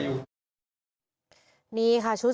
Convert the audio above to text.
มือไหนมือไหน